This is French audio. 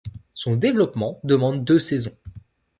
Son développement demande deux saisons.